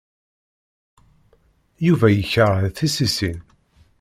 Yuba yekṛeh tissisin.